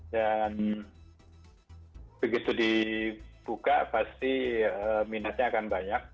dan begitu dibuka pasti minatnya akan banyak